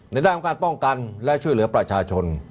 ในด้านของการป้องกันและช่วยเหลือประชาชน